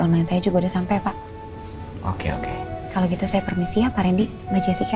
online saya juga udah sampai pak oke oke kalau gitu saya permisinya pak randy mbak jessica